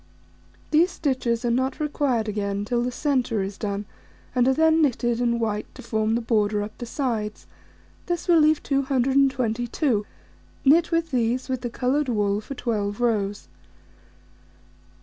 These stitches are not required again till the centre is done, and are then knitted in white to form the border up the sides: this will leave 222, knit with these, with the coloured wool for 12 rows.